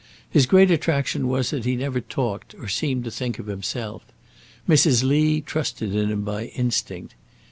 His great attraction was that he never talked or seemed to think of himself. Mrs. Lee trusted in him by instinct.